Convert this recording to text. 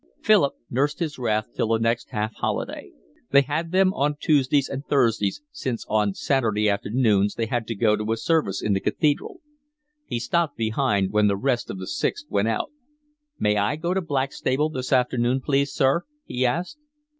Philip nursed his wrath till the next half holiday. They had them on Tuesdays and Thursdays, since on Saturday afternoons they had to go to a service in the Cathedral. He stopped behind when the rest of the Sixth went out. "May I go to Blackstable this afternoon, please, sir?" he asked.